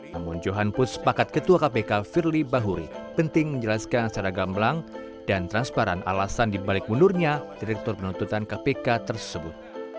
namun johan puspakat ketua kpk firly bahuri penting menjelaskan secara gamblang dan transparan alasan dibalik mundurnya direktur penuntutan kpk tersebut